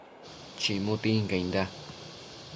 chimu tincainda